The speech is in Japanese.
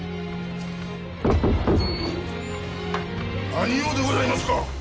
何用でございますか？